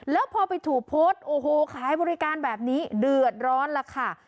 แล้วพอไปถูกโพสต์โอ้โหขายบริการแบบนี้เดือดร้อนล่ะค่ะ